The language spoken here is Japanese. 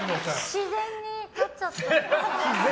自然に立っちゃった。